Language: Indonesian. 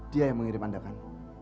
dia yang mengirim anda kan